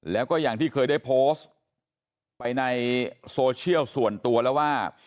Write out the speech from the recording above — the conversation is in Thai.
แล้วก็อย่างที่เคยได้โพสต์ไปในโซเชียลส่วนตัวแล้วว่า